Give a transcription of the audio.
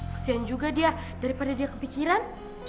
kesian juga dia daripada dia kepikiran